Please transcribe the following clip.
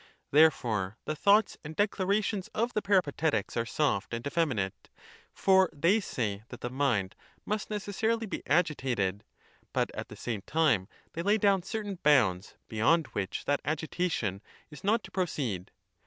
—Therefore the thoughts and declarations of the Peripatetics are soft and effeminate, for they say that the mind must necessarily be agitated, but at the same time they lay down certain bounds beyond which that agitation is not to proceed.